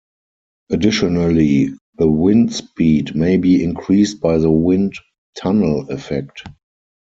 Additionally, the wind speed may be increased by the wind tunnel effect.